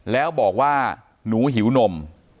แล้วบอกว่าหนูหิวนม